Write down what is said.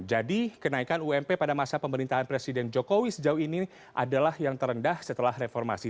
jadi kenaikan ump pada masa pemerintahan presiden jokowi sejauh ini adalah yang terendah setelah reformasi